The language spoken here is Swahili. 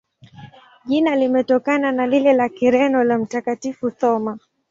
Jina limetokana na lile la Kireno la Mtakatifu Thoma.